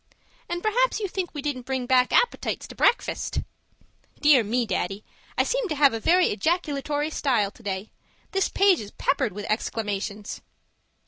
And perhaps you think we didn't bring back appetites to breakfast! Dear me, Daddy, I seem to have a very ejaculatory style today; this page is peppered with exclamations.